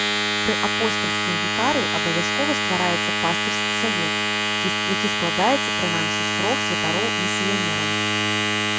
Пры апостальскім вікарыі абавязкова ствараецца пастырскі савет, які складаецца прынамсі з трох святароў-місіянераў.